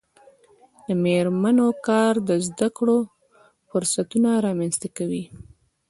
د میرمنو کار د زدکړو فرصتونه رامنځته کوي.